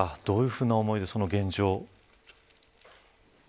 どういうふうな思いでその現状。